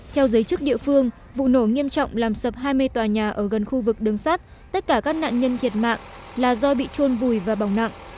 theo giới chức địa phương vụ nổ nghiêm trọng làm sập hai mươi tòa nhà ở gần khu vực đường sát tất cả các nạn nhân thiệt mạng là do bị trôn vùi và bỏng nặng